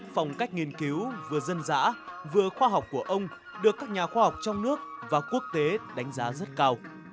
phòng cách nghiên cứu vừa dân dã vừa khoa học của ông được các nhà khoa học trong nước và quốc tế đánh giá rất cao